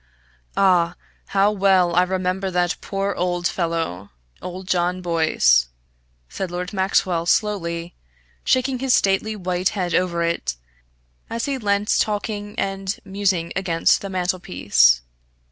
"Ah, how well I remember that poor old fellow old John Boyce," said Lord Maxwell, slowly, shaking his stately white head over it, as he leant talking and musing against the mantelpiece.